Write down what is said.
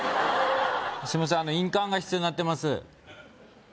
すいません印鑑が必要になってます